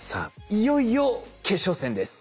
いよいよ決勝戦です。